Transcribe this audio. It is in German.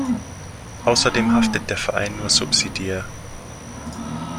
Außerdem haftet der Verein nur subsidiär.